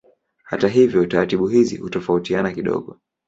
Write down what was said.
Hata hivyo taratibu hizi hutofautiana kidogo.